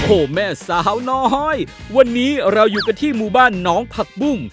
โอ้โหแม่สาวน้อยวันนี้เราอยู่กันที่หมู่บ้านน้องผักบุ้ง